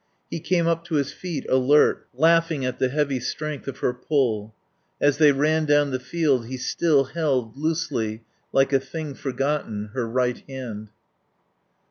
He came up to his feet, alert, laughing at the heavy strength of her pull. As they ran down the field he still held, loosely, like a thing forgotten, her right hand.